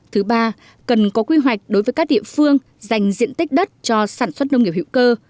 thứ ba cần có quy hoạch đối với các địa phương dành diện tích đất cho sản xuất nông nghiệp hữu cơ